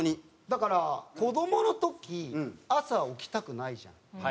だから子どもの時朝起きたくないじゃん。